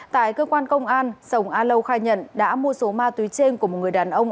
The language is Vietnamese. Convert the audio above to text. tại cơ quan công an sồng a lâu khai nhận đã mua số ma túy trên của một người đàn ông